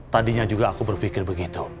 tadinya juga aku berpikir begitu